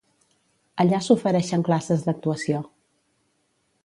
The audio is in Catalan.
Allà s'oferixen classes d'actuació.